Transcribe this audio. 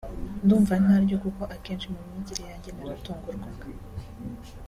Ndumva ntaryo kuko akenshi mu myigire yanjye naratungurwaga